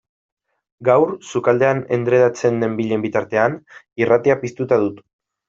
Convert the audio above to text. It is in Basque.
Gaur, sukaldean endredatzen nenbilen bitartean, irratia piztuta dut.